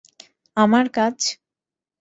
আমার কাজ?